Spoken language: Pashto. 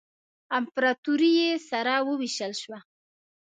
امپراطوري یې سره ووېشل شوه.